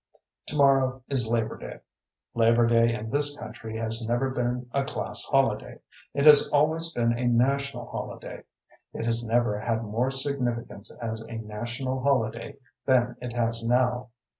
Tomorrow is Labor Day. Labor Day in this country has never been a class holiday. It has always been a national holiday. It has never had more significance as a national holiday than it has now.